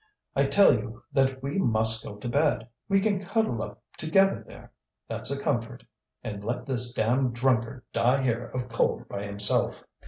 I tell you that we must go to bed. We can cuddle up together there, that's a comfort. And let this damned drunkard die here of cold by himself!"